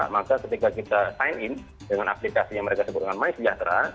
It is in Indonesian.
maka ketika kita sign in dengan aplikasi yang mereka sebut dengan my sejahtera